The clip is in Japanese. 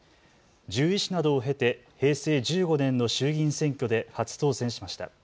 獣医師などを経て平成１５年の衆議院選挙で初当選しました。